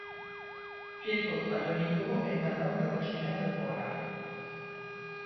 Pietro Tradonico est un noble originaire de Pola.